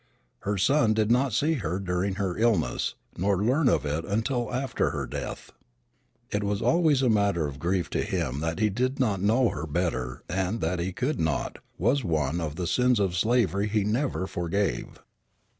Her son did not see her during her illness, nor learn of it until after her death. It was always a matter of grief to him that he did not know her better, and that he could not was one of the sins of slavery that he never forgave.